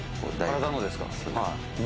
体のですか？